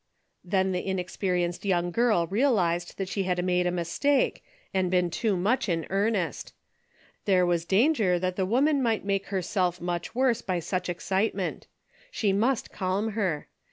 Then the inexperienced young girl realized that she had made a mistake and been too much in earnest. There was danger that the woman might make herself much worse by such excitement. She must calm her.